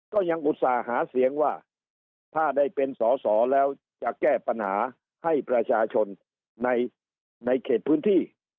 อุตส่าห์หาเสียงว่าถ้าได้เป็นสอสอแล้วจะแก้ปัญหาให้ประชาชนในเขตพื้นที่